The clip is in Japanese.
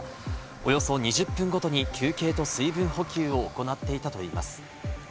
およそ２０分ごとに休憩と水分補給を行っていたといいます。